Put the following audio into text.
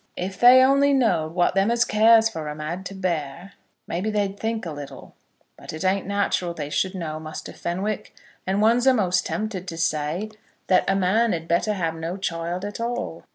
"If they only know'd what them as cares for 'em 'd has to bear, maybe they'd think a little. But it ain't natural they should know, Muster Fenwick, and one's a'most tempted to say that a man 'd better have no child at all."